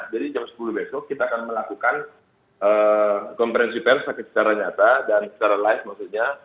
jadi jam sepuluh besok kita akan melakukan konferensi pers secara nyata dan secara live maksudnya